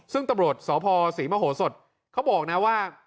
ซึ่งตำรวจสพศรีมโหสดเขาบอกนะว่า